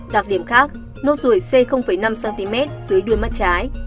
đặc điểm khác nốt ruồi c năm cm dưới đuôi mắt trái